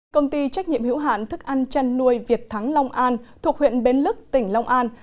công ty trách nhiệm hữu hạn thức ăn chăn nuôi việt thắng long an thuộc huyện bến lức tỉnh long an